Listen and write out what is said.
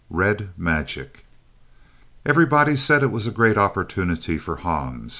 Red Magic Everybody said it was a great opportunity for Hans.